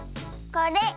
これ。